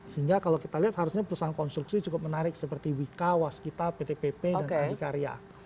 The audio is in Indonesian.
sehingga kalau kita lihat harusnya perusahaan konstruksi cukup menarik seperti wika waskita pt pp dan pdhikarya